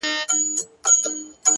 ددغه خلگو په كار! كار مه لره!